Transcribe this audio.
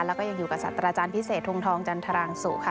แล้วก็ยังอยู่กับสัตว์อาจารย์พิเศษทงทองจันทรางสุค่ะ